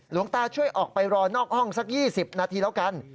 หลวงตาช่วยออกไปรอนอกห้องสัก๒๐นาทีแล้วกัน